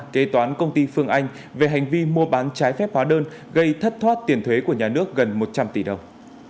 kế toán công ty phương anh về hành vi mua bán trái phép hóa đơn gây thất thoát tiền thuế của nhà nước gần một trăm linh tỷ đồng